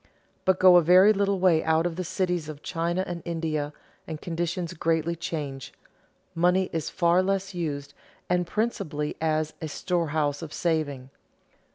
But go a very little way out of the cities of China and India, and conditions greatly change; money is far less used and principally as a storehouse of saving.